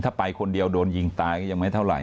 ถ้าไปคนเดียวโดนยิงตายก็ยังไม่เท่าไห